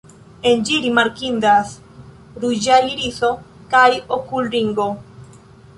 En ĝi rimarkindas ruĝaj iriso kaj okulringo.